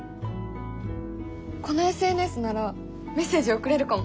このＳＮＳならメッセージ送れるかも！